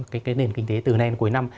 cái nền kinh tế từ nay đến cuối năm